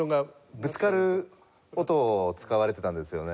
ぶつかる音を使われてたんですよね。